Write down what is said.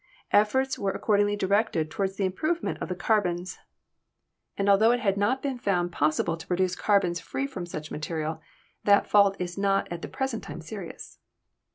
Efforts were accordingly directed toward the im provement of the carbons, and altho it has not been found HISTORY OF ELECTRIC LIGHTING 231 possible to produce carbons free from such material, that fault is not at the present time serious.